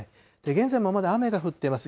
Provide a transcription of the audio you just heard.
現在もまだ雨が降っています。